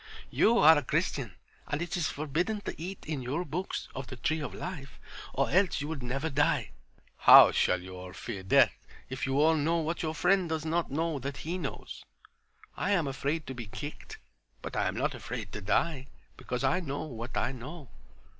You are a Christian, and it is forbidden to eat, in your books, of the Tree of Life, or else you would never die. How shall you all fear death if you all know what your friend does not know that he knows? I am afraid to be kicked, but I am not afraid to die, because I know what I know.